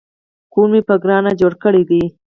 کور مې په ګرانه جوړ کړی دی